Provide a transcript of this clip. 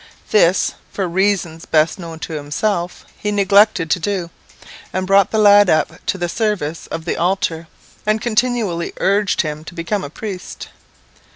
This, for reasons best known to himself, he neglected to do, and brought the lad up to the service of the altar, and continually urged him to become a priest.